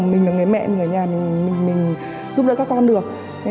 mình là người mẹ mình là người nhà mình giúp đỡ các con được